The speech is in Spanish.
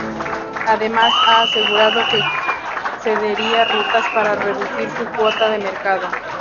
Además ha asegurado que cedería rutas para reducir su cuota de mercado.